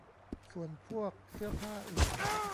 ส่วนพวกเสื้อผ้าอื่น